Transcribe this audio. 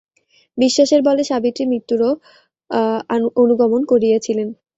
বিশ্বাসের বলে সাবিত্রী মৃত্যুরও অনুগমন করিয়াছিলেন।